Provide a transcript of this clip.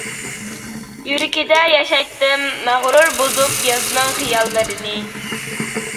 يۈرىكىدە ياشايتتىم مەغرۇر بۇزۇپ يازنىڭ خىياللىرىنى.